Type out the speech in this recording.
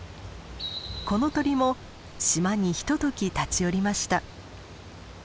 この鳥も島にひととき立ち寄りました。